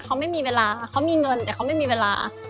เขาไม่มีเวลาเขามีเงินแต่เขาไม่มีเวลา